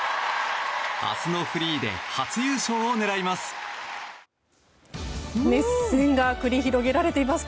明日のフリーで初優勝を狙います。